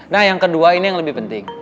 nah yang kedua ini yang lebih penting